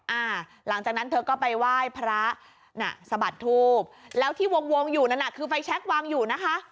หลังจากนั้นเธอก็ไปไหว้พระน่ะสะบัดทูบแล้วที่วงวงอยู่นั่นน่ะคือไฟแชควางอยู่นะคะ